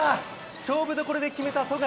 勝負どころで決めた富樫。